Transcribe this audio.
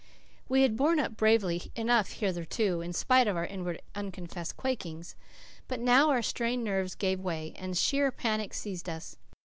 We had borne up bravely enough hitherto, in spite of our inward, unconfessed quakings. But now our strained nerves gave way, and sheer panic seized us.